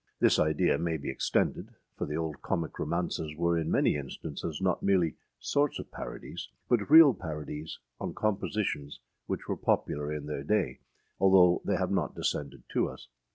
â This idea may be extended, for the old comic romances were in many instances not merely âsorts of parodies,â but real parodies on compositions which were popular in their day, although they have not descended to us.